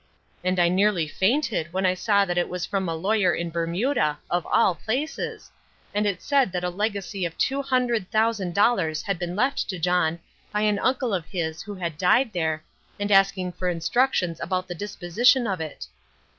And I nearly fainted when I saw that it was from a lawyer in Bermuda of all places and it said that a legacy of two hundred thousand dollars had been left to John by an uncle of his who had died there, and asking for instructions about the disposition of it.